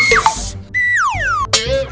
ini selim nggak sih